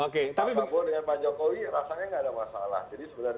pak prabowo dengan pak jokowi rasanya gak ada masalah